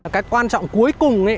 các quan trọng cuối cùng